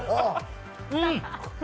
うん！